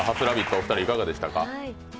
お二人いかがでしたか？